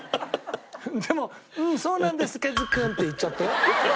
でも「そうなんですカズくん」って言っちゃったよ。